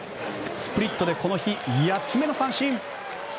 スプリットでこの日８つ目の三振。